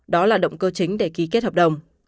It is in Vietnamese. đó là động cơ chính để ký kết hợp đồng